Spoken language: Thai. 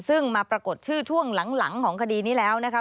ซึ่งมาปรากฏชื่อช่วงหลังของคดีนี้แล้วนะคะ